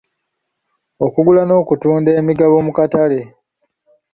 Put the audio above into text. Okugula n'okutunda emigabo mu katale.